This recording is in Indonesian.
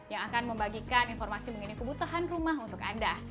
yang akan membagikan informasi mengenai kebutuhan rumah untuk anda